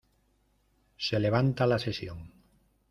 Se levanta la sesión.